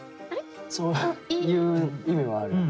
そういう意味もあるよね。